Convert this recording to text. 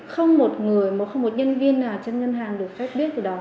không một người không một nhân viên nào trên ngân hàng được khách biết từ đó